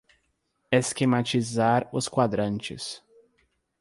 Esquematizar os quadrantes